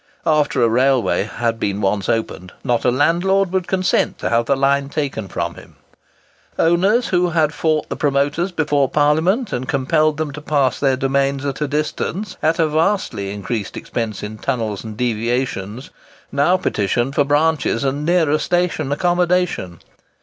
After a railway had been once opened, not a landlord would consent to have the line taken from him. Owners who had fought the promoters before Parliament, and compelled them to pass their domains at a distance, at a vastly increased expense in tunnels and deviations, now petitioned for branches and nearer station accommodation.